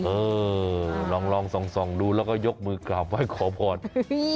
เออลองส่องดูแล้วก็ยกมือกราบไหว้ขอพร